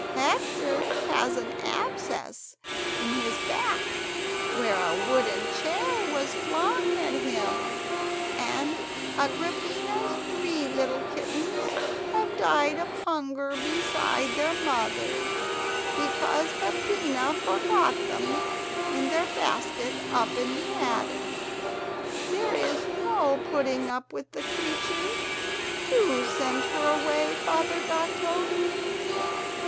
Hector has an abscess in his back where a wooden chair was flung at him; and Agrippina's three little kittens have died of hunger beside their mother, because Peppina forgot them in their basket up in the attic. There is no putting up with the creature—do send her away, Father Gatto!